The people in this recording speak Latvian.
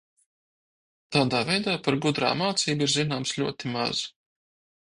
Tādā veidā par gudrā mācību ir zināms ļoti maz.